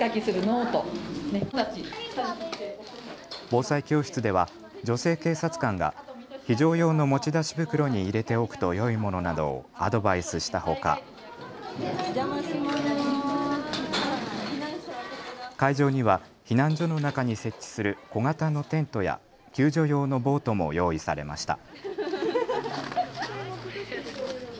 防災教室では女性警察官が非常用の持ち出し袋に入れておくとよいものなどをアドバイスしたほか、会場には避難所の中に設置する小型のテントや救助用のボートも用意されました。